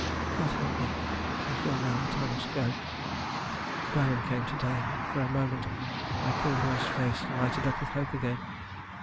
God help me, I feel now that I must go.... The Baron came to day, and for a moment my poor boy's face lighted up with hope again.